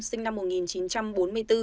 sinh năm một nghìn chín trăm bốn mươi bốn